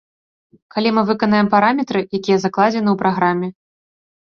Калі мы выканаем параметры, якія закладзены ў праграме.